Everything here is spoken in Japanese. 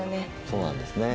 そうなんですね。